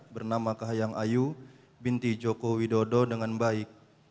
bernama kahayang ayu binti joko widodo dengan baik